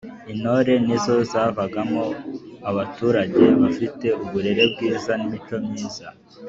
intore nizo zavagamo abaturage bafite uburere bwiza, n’imico myiza.